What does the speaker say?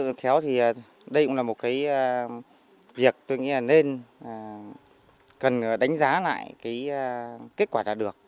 đồng ý kéo thì đây cũng là một cái việc tôi nghĩ là nên cần đánh giá lại cái kết quả đã được